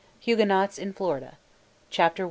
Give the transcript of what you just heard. HUGUENOTS IN FLORIDA. CHAPTER I.